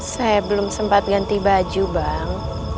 saya belum sempat ganti baju bang